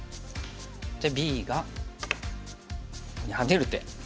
でＢがここにハネる手。